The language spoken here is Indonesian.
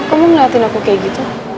kau mau ngeliatin aku kaya gitu